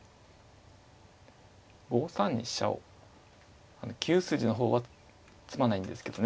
５三に飛車を９筋の方は詰まないんですけどね